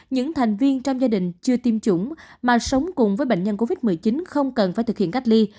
những thành viên trong gia đình chưa tiêm chủng mà sống cùng với bệnh nhân covid một mươi chín không cần phải thực hiện cách ly